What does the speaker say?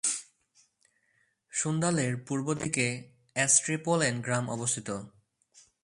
সুন্দালের পূর্ব দিকে অস্ট্রেপোলেন গ্রাম অবস্থিত।